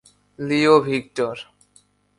Leo Victor